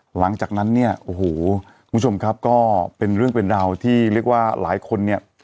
หลังจากนั้นเนี่ยโอ้โหคุณผู้ชมครับก็เป็นเรื่องเป็นราวที่เรียกว่าหลายคนเนี่ย